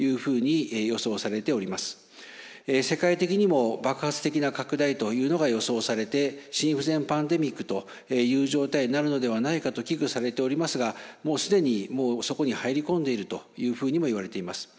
世界的にも爆発的な拡大というのが予想されて心不全パンデミックという状態になるのではないかと危惧されておりますがもう既にそこに入り込んでいるというふうにもいわれています。